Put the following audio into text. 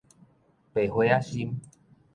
白花仔心